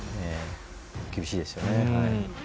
厳しいですよね。